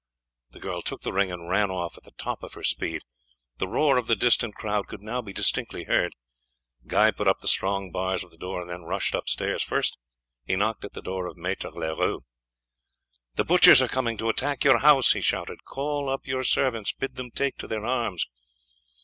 The girl took the ring and ran off at the top of her speed. The roar of the distant crowd could now be distinctly heard. Guy put up the strong bars of the door and then rushed upstairs. First he knocked at the door of Maître Leroux. "The butchers are coming to attack your house!" he shouted. "Call up your servants; bid them take to their arms."